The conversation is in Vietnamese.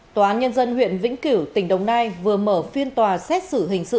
tòa án nhân dân huyện vĩnh cửu tỉnh đồng nai vừa mở phiên tòa xét xử hình sự